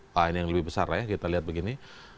nah ini yang lebih besar ya kita lihat begini